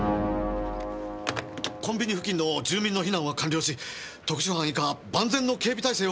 コンビニ付近の住民の避難は完了し特殊班以下万全の警備態勢を取りましたが。